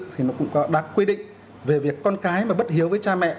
thì nó cũng đã quy định về việc con cái mà bất hiếu với cha mẹ